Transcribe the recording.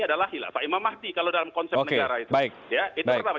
adalah hilafah imam mahdi kalau dalam konsep negara itu